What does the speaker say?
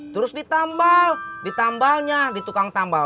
terus ditambal ditambalnya di tukang tambal